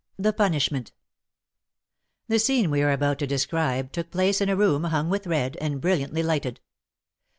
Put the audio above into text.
THE PUNISHMENT. The scene we are about to describe took place in a room hung with red, and brilliantly lighted.